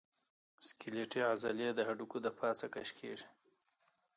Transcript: سکلیټي عضلې د هډوکو د پاسه کش کېږي.